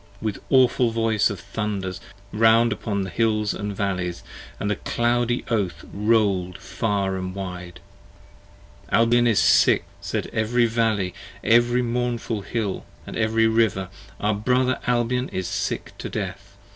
with awful voice of thunders round 10 Upon the hills & valleys, and the cloudy Oath roll'd far and wide. Albion is sick! said every Valley, every mournful Hill And every River: our brother Albion is sick to death.